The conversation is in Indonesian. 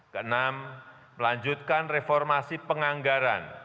kenam melanjutkan reformasi penganggaran